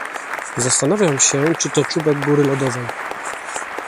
Zastanawiam się, czy to czubek góry lodowej